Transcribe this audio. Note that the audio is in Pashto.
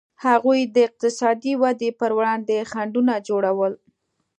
هغوی د اقتصادي ودې پر وړاندې خنډونه جوړول.